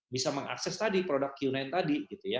bisa mengakses tadi produk q sembilan tadi